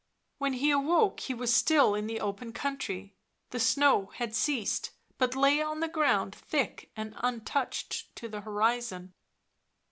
When he awoke he was still in the open country. The snow had ceased, but lay on the ground thick and untouched to the horizon.